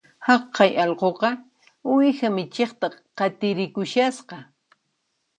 Haqay allquqa uwiha michiqta qatirikushasqa